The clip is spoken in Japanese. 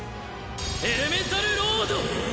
エレメンタルロード！